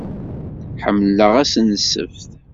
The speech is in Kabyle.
Ḥemmleɣ ass n ssebt.